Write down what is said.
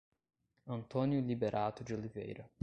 Antônio Liberato de Oliveira